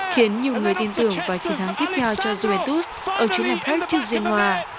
khiến nhiều người tin tưởng vào chiến thắng tiếp theo cho juventus ở chỗ ngầm khách trước duyên hòa